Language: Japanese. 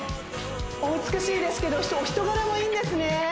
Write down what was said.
お美しいですけどお人柄もいいんですね